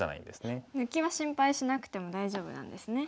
抜きは心配しなくても大丈夫なんですね。